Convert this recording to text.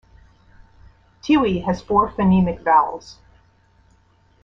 Tiwi has four phonemic vowels.